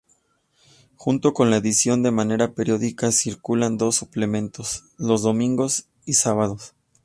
Junto con la edición de manera periódica circulan dos suplementos: los domingos y sábados.